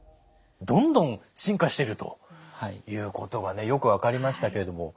どんどん進化してるということがよく分かりましたけれども。